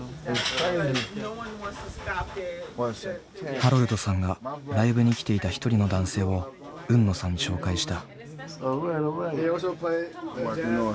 ハロルドさんがライブに来ていた一人の男性を海野さんに紹介した。